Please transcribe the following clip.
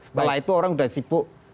setelah itu orang sudah sibuk